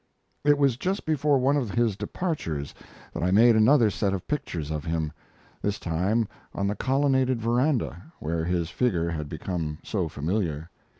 It was just before one of his departures that I made another set of pictures of him, this time on the colonnaded veranda, where his figure had become so familiar.